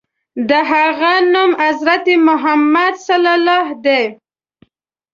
د هغه نوم حضرت محمد ص دی.